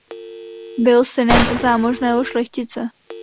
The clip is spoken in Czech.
Byl synem zámožného šlechtice.